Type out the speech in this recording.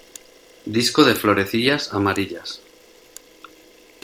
Disco de florecillas amarillas.